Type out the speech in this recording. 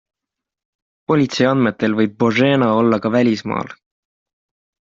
Politsei andmetel võib Božena olla ka välismaal.